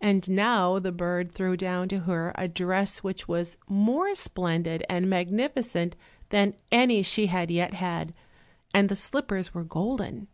And now the bird threw down to her a dress which was more splendid and magnificent than any she had yet had, and the slippers were golden.